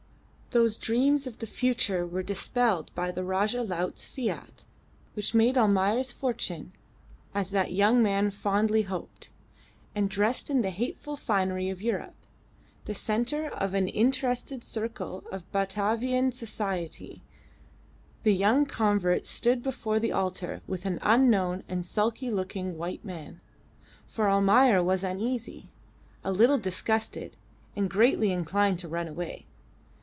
Those dreams of the future were dispelled by the Rajah Laut's "fiat," which made Almayer's fortune, as that young man fondly hoped. And dressed in the hateful finery of Europe, the centre of an interested circle of Batavian society, the young convert stood before the altar with an unknown and sulky looking white man. For Almayer was uneasy, a little disgusted, and greatly inclined to run away.